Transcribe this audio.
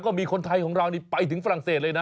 มีคนไทยของเรานี่ไปถึงฝรั่งเศสเลยนะ